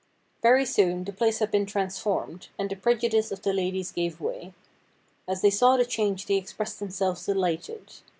Very soon the place had been transformed, and the prejudice of the ladies gave way. As they saw the change they ex pressed themselves delighted.